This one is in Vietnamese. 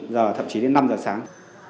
bốn giờ thậm chí đến năm giờ sáng